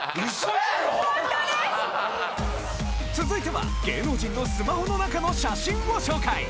続いては、芸能人のスマホの中の写真を紹介。